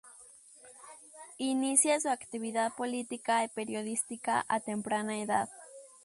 Inicia su actividad política y periodística a temprana edad.